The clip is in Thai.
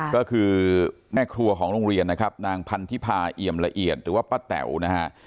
ก็คือแม่ครัวของโรงเรียนนะครับนางพันธิพาเอี่ยมละเอียดหรือว่าป้าแต๋วนะฮะ